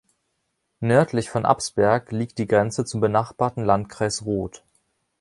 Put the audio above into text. Nördlich von Absberg liegt die Grenze zum benachbarten Landkreis Roth.